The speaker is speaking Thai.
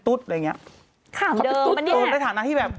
มันตัวในฐานะที่แบบ